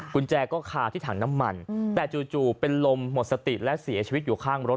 กุญแจก็คาที่ถังน้ำมันแต่จู่เป็นลมหมดสติและเสียชีวิตอยู่ข้างรถ